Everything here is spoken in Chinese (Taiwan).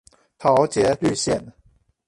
桃捷綠線